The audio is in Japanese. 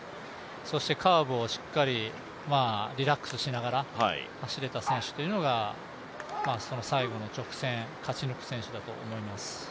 そしてカーブをしっかりリラックスしながら走れた選手というのがその最後の直線勝ち抜く選手だと思います。